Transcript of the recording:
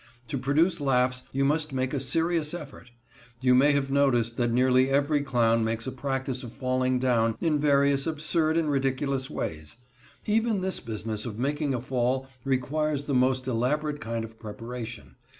To produce laughs you must make a serious effort. You may have noticed that nearly every clown makes a practice of falling down in various absurd and ridiculous ways. Even this business of making a fall requires the most elaborate kind of preparation.